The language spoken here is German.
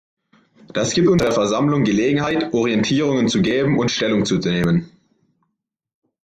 Das gibt unserer Versammlung Gelegenheit, Orientierungen zu geben und Stellung zu nehmen.